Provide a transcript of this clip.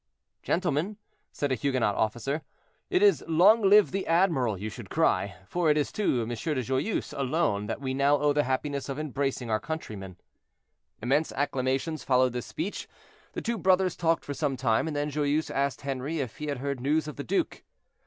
"Gentlemen," said a Huguenot officer, "it is 'Long live the admiral,' you should cry, for it is to M. de Joyeuse alone that we now owe the happiness of embracing our countrymen." Immense acclamations followed this speech. The two brothers talked for some time, and then Joyeuse asked Henri if he had heard news of the duke.